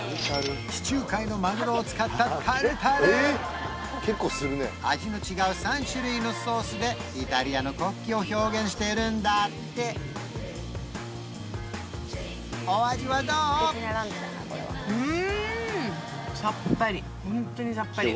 地中海のマグロを使ったタルタル味の違う３種類のソースでイタリアの国旗を表現しているんだってうん！